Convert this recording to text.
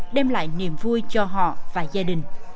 đem lại niềm vui cho họ và gia đình